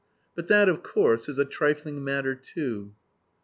But that, of course, is a trifling matter too.